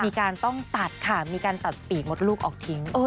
ต้องตัดค่ะมีการตัดปีกมดลูกออกทิ้ง